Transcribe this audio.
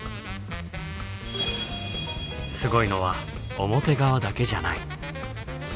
すごいのは表側だけじゃない。